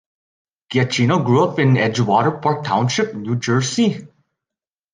Giacchino grew up in Edgewater Park Township, New Jersey.